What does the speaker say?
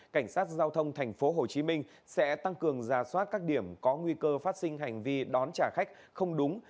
cảnh sát giao thông tp hcm sẽ tăng cường giả soát các điểm có nguy cơ phát sinh hành vi đón trả khách không đúng